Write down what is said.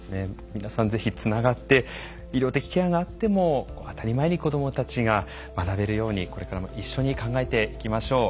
皆さんぜひつながって医療的ケアがあっても当たり前に子どもたちが学べるようにこれからも一緒に考えていきましょう。